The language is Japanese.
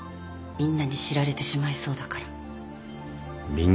「みんなに知られてしまいそう」？